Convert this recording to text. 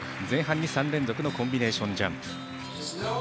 前半に３連続のコンビネーションジャンプ。